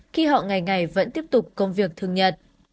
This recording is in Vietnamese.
khi họ ngày ngày vẫn tiếp tục công việc thường nhật